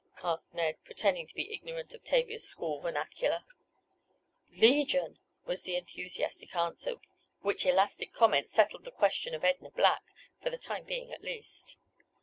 asked Ned, pretending to be ignorant of Tavia's school vernacular. "Legion," was the enthusiastic answer, which elastic comment settled the question of Edna Black, for the time being, at least.